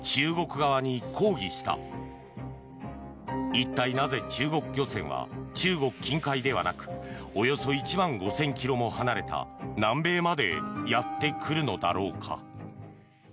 一体なぜ、中国漁船は中国近海ではなくおよそ１万５０００ｋｍも離れた南米までやってくるのだろうか。